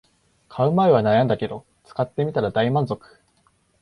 買う前は悩んだけど使ってみたら大満足